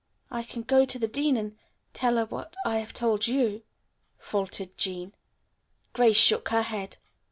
"I can go to the dean and tell her what I have told you," faltered Jean. Grace shook her head.